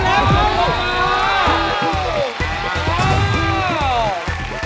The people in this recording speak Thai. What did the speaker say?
ขอบคุณครูบาอาจารย์